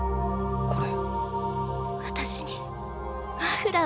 これ。